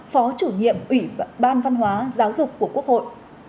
phó chủ nhiệm ủy ban văn hóa giáo dục của quốc hội